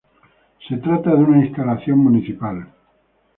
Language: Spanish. Se trata de una instalación municipal.